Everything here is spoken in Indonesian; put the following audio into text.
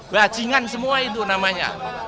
bacingan semua itu namanya